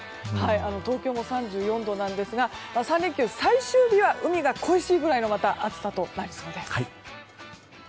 東京も３４度なんですが３連休最終日は海が恋しいくらいの暑さとなりそうです。